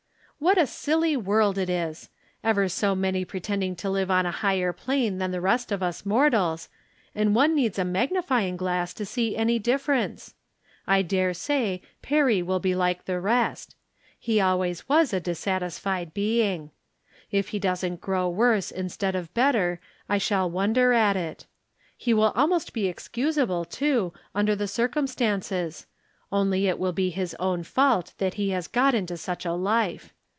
What a silly world it is I Ever so many pre tending to live on a higher plane than the rest of us mortals, and one needs a magnifying glass to see any difference. I dare say Perry wOl be hke the rest. Pie always was a dissatisfied being. If he doesn't grow worse instead of better I shall wonder at it. He wUl almost be escusable, too, From Different Standpoints, 93 1 under tlie circiimstano«s ; only it will be his own fault that he got into such a life.